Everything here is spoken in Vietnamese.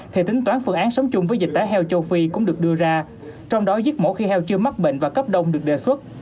thì tính toán phương án sống chung với dịch tả heo châu phi cũng được đưa ra trong đó giết mổ khi heo chưa mắc bệnh và cấp đông được đề xuất